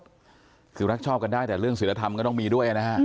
สิ่งที่รักชอบกันได้แต่เรื่องสารทรรมก็ต้องมีด้วย